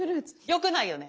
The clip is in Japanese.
よくないよね。